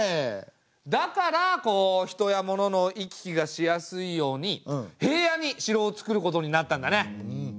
だからこう人や物の行き来がしやすいように平野に城をつくることになったんだね。